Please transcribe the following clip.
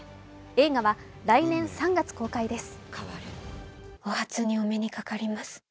映画は来年３月公開です。